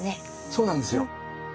そうなんですよ。